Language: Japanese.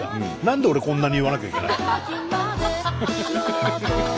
何で俺こんなに言わなきゃいけないの？